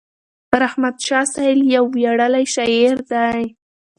رحمت شاه سایل یو ویاړلی شاعر دی.